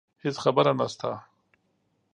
هیڅ خبره نشته